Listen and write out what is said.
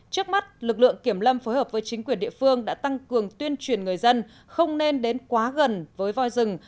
trước mắt lực lượng kiểm lâm phối hợp với chính quyền địa phương đã tăng cường tuyên truyền người dân không nên đến quá gần với voi rừng